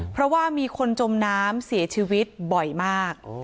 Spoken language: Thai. เพราะว่ามีคนจมน้ำเสียชีวิตบ่อยมาก